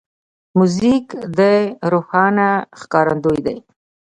موزیک د روحانه ښکارندوی دی.